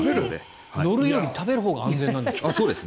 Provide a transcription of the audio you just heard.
乗るより食べるほうが安全なんですか？